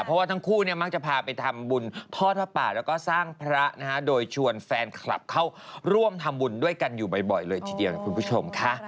เพราะว่าทั้งคู่เนี่ยมักจะพาไปทำบุญพ่อพระป่าแล้วก็สร้างพระนะฮะโดยชวนแฟนคลับเข้าร่วมทำบุญด้วยกันอยู่บ่อยเลยทีเดียวนะคุณผู้ชมค่ะ